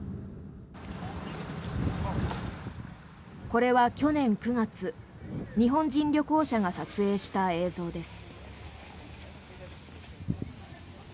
これは、去年９月日本人旅行者が撮影した映像です。